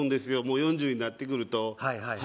もう４０になってくるとはい